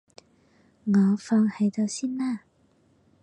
我放喺度先啦